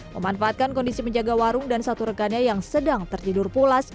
memanfaatkan kondisi penjaga warung dan satu rekannya yang sedang tertidur pulas